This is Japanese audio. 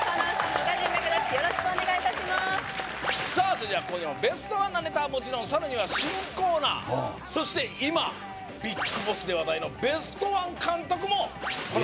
それでは今夜もベストワンなネタはもちろんさらには新コーナーそして今ＢＩＧＢＯＳＳで話題のベストワン監督もえっ？